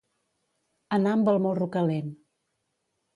Anar amb el morro calent.